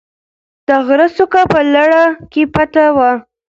د غره څوکه په لړه کې پټه وه.